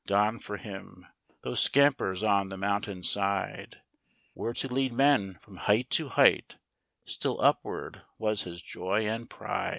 Gone for him Those scampers on the mountain's side, Where to lead men from height to height Still upward, was his joy and pride.